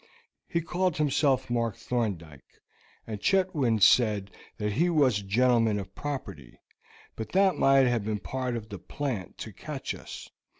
He called himself Mark Thorndyke, and Chetwynd said that he was a gentleman of property; but that might have been part of the plant to catch us.